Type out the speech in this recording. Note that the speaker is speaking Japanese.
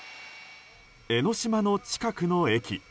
江の島の近くの駅。